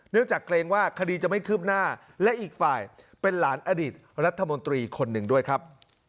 จากเกรงว่าคดีจะไม่คืบหน้าและอีกฝ่ายเป็นหลานอดีตรัฐมนตรีคนหนึ่งด้วยครับ